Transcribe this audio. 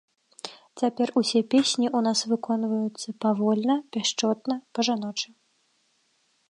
Цяпер усе песні ў нас выконваюцца павольна, пяшчотна, па-жаночы.